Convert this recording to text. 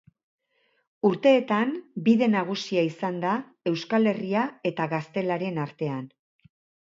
Urteetan bide nagusia izan da Euskal Herria eta Gaztelaren artean.